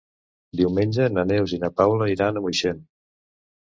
Diumenge na Neus i na Paula iran a Moixent.